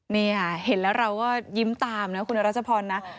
นี่ค่ะเห็นแล้วเราก็ยิ้มตามนะคุณรัชพรนะ